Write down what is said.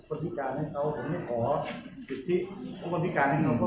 ปฏิการให้เค้าผมไม่ขอสิทธิต้องควรพิการให้เค้า